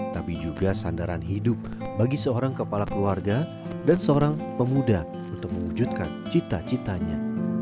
tapi juga sandaran hidup bagi seorang kepala keluarga dan seorang pemuda untuk mewujudkan cita citanya